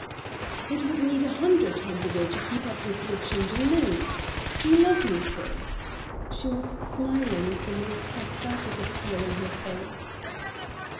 "It would need a hundred times a day to keep up with your changing moods. Do you love me, Sim?" She was smiling, with the most pathetic appeal in her face.